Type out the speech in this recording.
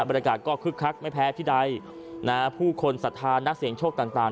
บรรยากาศก็คึกคักไม่แพ้ที่ใดนะฮะผู้คนสัทธานักเสียงโชคต่างต่าง